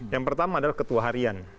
yang pertama adalah ketua harian